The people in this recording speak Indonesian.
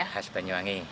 iya hasil banyu wangi